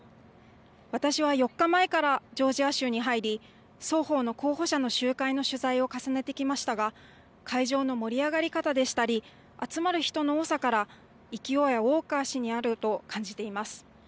私は４日前からジョージア州に入り、双方の候補者の集会の取材を重ねてきましたが、会場の盛り上がり方でしたり、集まる人の多さから、勢いはウォーカー氏にあると感じています。